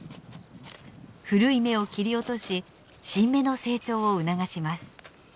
古い芽を切り落とし新芽の成長を促します。